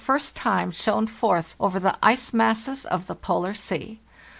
NOK LIT time shone forth over the ice masses of the Polar Sea.